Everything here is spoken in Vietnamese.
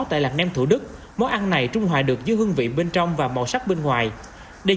tại làng nem thủ đức món ăn này trung hoại được dưới hương vị bên trong và màu sắc bên ngoài đây